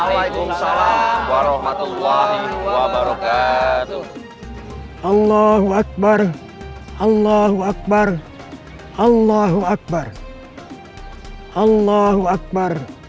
allahu akbar allahu akbar allahu akbar allahu akbar allahu akbar allahu akbar